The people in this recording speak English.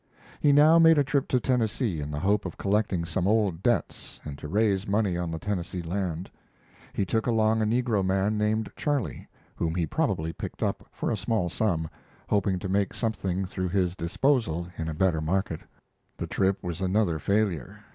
He now made a trip to Tennessee in the hope of collecting some old debts and to raise money on the Tennessee land. He took along a negro man named Charlie, whom he probably picked up for a small sum, hoping to make something through his disposal in a better market. The trip was another failure.